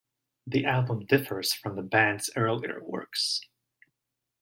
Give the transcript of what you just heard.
The album differs from the band's earlier works.